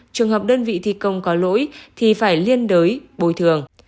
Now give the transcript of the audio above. trường hợp đơn vị thi công có lỗi thì phải liên đới bồi thường